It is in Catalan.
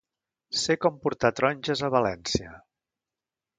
Ser com portar taronges a València.